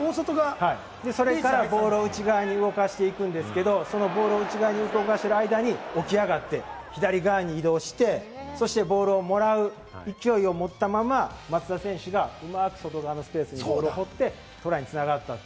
それからボールを内側に動かしていくんですけれども、その間に起き上がって左側に移動して、そしてボールをもらう、勢いを持ったまま、松田選手がうまく外側のスペースにボールを放って、トライに繋がった。